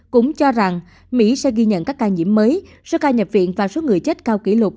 cũng cho rằng mỹ sẽ ghi nhận các ca nhiễm mới số ca nhập viện và số người chết cao kỷ lục